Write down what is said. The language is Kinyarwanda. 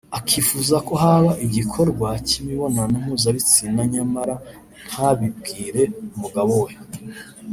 akifuza ko haba igikorwa cy’imibonano mpuzabitsina nyamara ntabibwire umugabo we